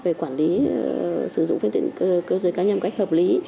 về quản lý sử dụng phương tiện cơ giới cá nhân một cách hợp lý